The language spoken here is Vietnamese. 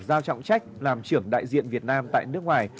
giao trọng trách làm trưởng đại diện việt nam tại nước ngoài